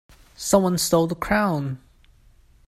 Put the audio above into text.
Someone stole the crown!